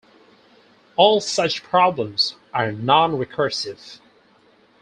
All such problems are nonrecursive.